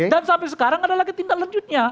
dan sampai sekarang ada lagi tindak lanjutnya